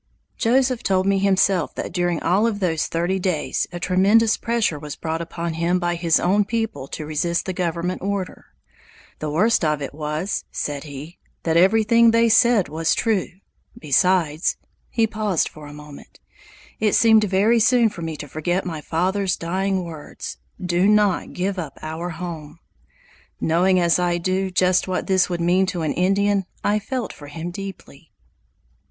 Joseph told me himself that during all of those thirty days a tremendous pressure was brought upon him by his own people to resist the government order. "The worst of it was," said he, "that everything they said was true; besides" he paused for a moment "it seemed very soon for me to forget my father's dying words, 'Do not give up our home!'" Knowing as I do just what this would mean to an Indian, I felt for him deeply.